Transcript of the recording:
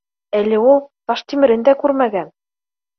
Әле ул Таштимерен дә күрмәгән